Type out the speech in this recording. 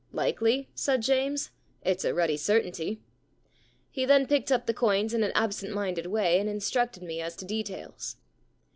*" Likely ?" said James. It's a ruddy certainty.'* He then picked up the coins in an absent minded way and instructed me as to details.